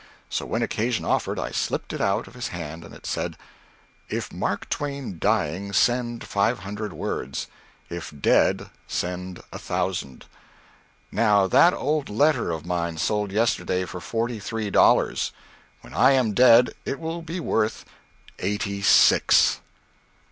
So when occasion offered I slipped it out of his hand. It said, "If Mark Twain dying send five hundred words. If dead send a thousand." Now that old letter of mine sold yesterday for forty three dollars. When I am dead it will be worth eighty six.